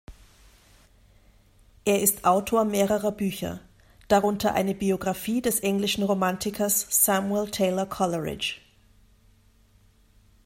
Er ist Autor mehrerer Bücher, darunter eine Biographie des englischen Romantikers Samuel Taylor Coleridge.